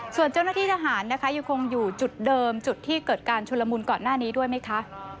ส่วนเจ้าหน้าที่ทหารนะคะยังคงอยู่จุดเดิมจุดที่เกิดการชุลมุนก่อนหน้านี้ด้วยไหมคะ